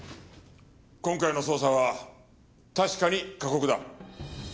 今回の捜査は確かに過酷だ。